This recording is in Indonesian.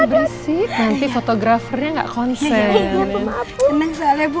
bersihkan fotografernya enggak konsen